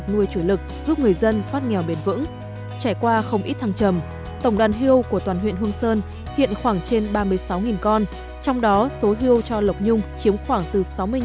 trải qua không ít thăng trầm tổng đoàn hiêu của toàn huyện hương sơn hiện khoảng trên ba mươi sáu con trong đó số hiêu cho lộc nhung chiếm khoảng từ sáu mươi năm bảy mươi